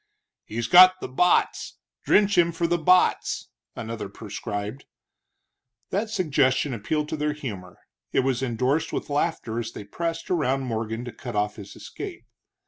"He's got the botts drench him for the botts," another prescribed. That suggestion appealed to their humor. It was endorsed with laughter as they pressed around Morgan to cut off his escape.